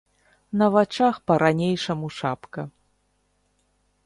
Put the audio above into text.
На вачах па-ранейшаму шапка.